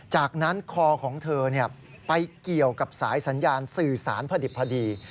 จากนั้นคอของเธอไปเกี่ยวกับสายสัญญาณสื่อสารพอดิบพอดี